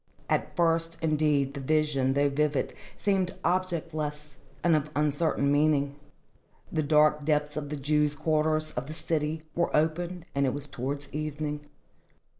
At first, indeed, the vision, though vivid, seemed objectless and of uncertain meaning. The dark depths of the Jews' quarter of the city were opened, and it was towards evening.